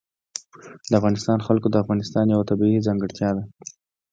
د افغانستان جلکو د افغانستان یوه طبیعي ځانګړتیا ده.